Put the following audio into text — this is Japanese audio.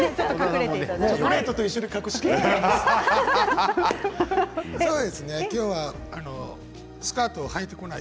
チョコレートと一緒で隠しきれない。